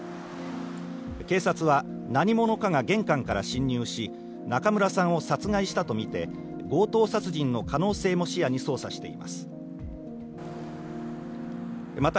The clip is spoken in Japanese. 警察は、何者かが玄関から侵入し、中村さんを殺害したと見て、強盗殺人の可能性も視野に捜査しています。